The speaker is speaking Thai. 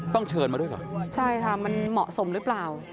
เชิญมาด้วยเหรอใช่ค่ะมันเหมาะสมหรือเปล่า